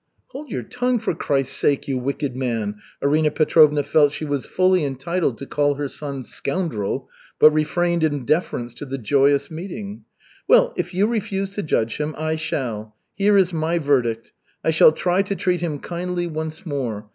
"Hold your tongue, for Christ's sake, you wicked man!" Arina Petrovna felt she was fully entitled to call her son "scoundrel," but refrained in deference to the joyous meeting. "Well, if you refuse to judge him I shall. Here is my verdict. I shall try to treat him kindly once more.